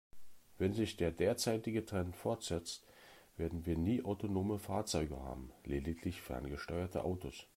Wenn sich der derzeitige Trend fortsetzt, werden wir nie autonome Fahrzeuge haben, lediglich ferngesteuerte Autos.